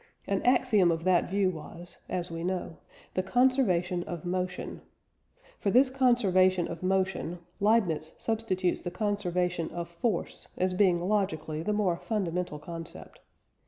An axiom of that view was (as we know) the conservation of motion. For this conservation of motion, Leibniz substitutes the conservation of force as being logically the more fundamental concept.